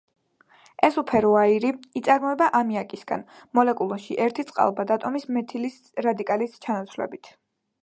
ეს უფერო აირი იწარმოება ამიაკისგან, მოლეკულაში ერთი წყალბად ატომის მეთილის რადიკალით ჩანაცვლებით.